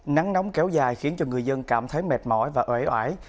nắng nóng kéo dài khiến cho người dân cảm thấy mệt mỏi và ẩy ẩy